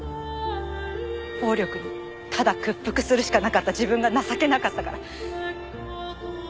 暴力にただ屈服するしかなかった自分が情けなかったから。